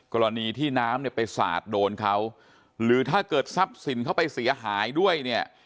กรณีที่น้ำเนี่ยไปสาดโดนเขาหรือถ้าเกิดทรัพย์สินเขาไปเสียหายด้วยเนี่ย